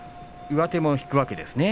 上手も引くわけですね